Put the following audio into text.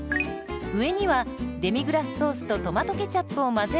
上にはデミグラスソースとトマトケチャップを混ぜ合わせたものを。